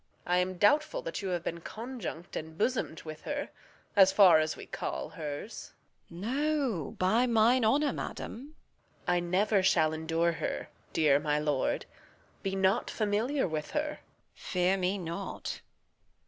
Reg. I am doubtful that you have been conjunct And bosom'd with her, as far as we call hers. Edm. No, by mine honour, madam. Reg. I never shall endure her. Dear my lord, Be not familiar with her. Edm. Fear me not.